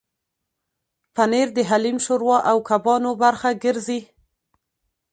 پنېر د حلیم، شوروا او کبابو برخه ګرځي.